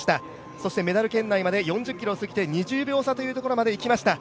そしてメダル圏内まで４０ｋｍを過ぎて２０秒差というところまで行きました。